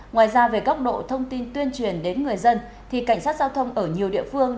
ngoài ra về góc độ thông tin tuyên truyền đến người dân thì cảnh sát giao thông ở nhiều địa phương